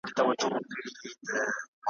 د دې قام د یو ځای کولو ,